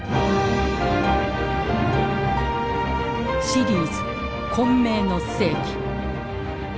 シリーズ「混迷の世紀」。